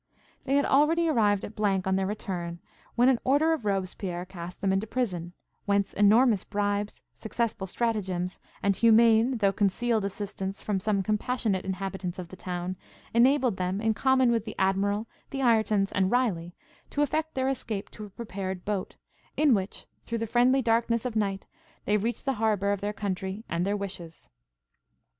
They had already arrived at on their return, when an order of Robespierre cast them into prison, whence enormous bribes, successful stratagems, and humane, though concealed assistance from some compassionate inhabitants of the town, enabled them, in common with the Admiral, the Iretons, and Riley, to effect their escape to a prepared boat, in which, through the friendly darkness of night, they reached the harbour of their country and their wishes.